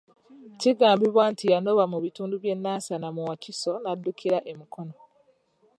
Kigambibwa nti yanoba mu bitundu by'e Nansana mu Wakiso n'addukira e Mukono.